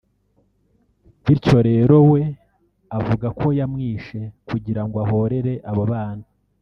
bityo rero we avuga ko yamwishe kugirango ahorere abo bana